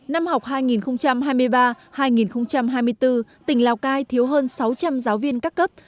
năm học hai nghìn hai mươi ba hai nghìn hai mươi bốn tỉnh lào cai thiếu hơn sáu trăm linh giáo viên các cấp